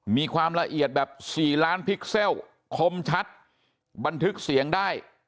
มีความละเอียดแบบ๔ล้านพิกเซลคมชัดบันทึกเสียงได้